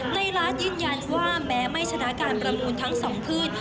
ในร้านยืนยันว่าแม้ไม่ชนะการประมูลทั้งสองพืช